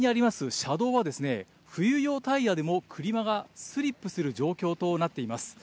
車道は、冬用タイヤでも車がスリップする状況となっています。